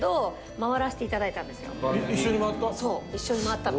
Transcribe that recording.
一緒に回ったの。